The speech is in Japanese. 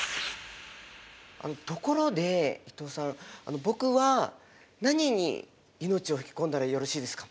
ところで伊藤さん僕は何に生命を吹き込んだらよろしいですか？